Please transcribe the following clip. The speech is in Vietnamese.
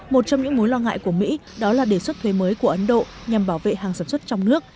một trong những mối lo ngại của mỹ đó là đề xuất thuế mới của ấn độ nhằm bảo vệ hàng sản xuất trong nước